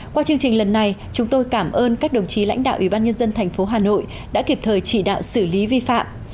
qua chương trình lần này chúng tôi cảm ơn các đồng chí lãnh đạo ubnd tp hà nội đã kịp thời chỉ đạo xử lý vi phạm